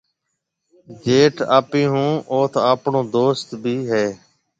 جيٿ آپيَ هون اوٿ آپڻو دوست ڀِي هيَ۔